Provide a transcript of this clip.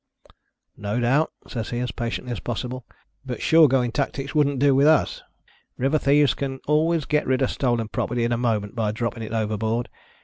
" No doubt," says he as patiently as pos sible ;" but shore going tactics wouldn't do with us. River thieves can always get rid of stolen property in a moment by dropping it overboard.